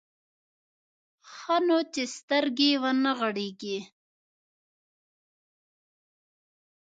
ښه نو چې سترګې ونه غړېږي.